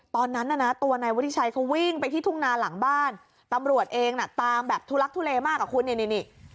ตอนนั้นน่ะนะตัวนายวุฒิชัยเขาวิ่งไปที่ทุ่งนาหลังบ้านตำรวจเองน่ะตามแบบทุลักทุเลมากอ่ะคุณนี่นี่